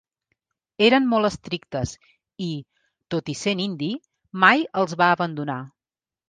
Eren molt estrictes i, tot i sent indi, mai els va abandonar.